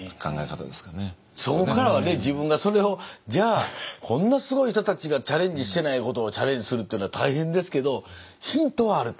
そこからはね自分がそれをじゃあこんなすごい人たちがチャレンジしてないことをチャレンジするっていうのは大変ですけどヒントはあると思いますね。